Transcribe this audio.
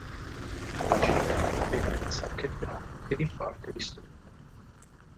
La città venne saccheggiata e in parte distrutta.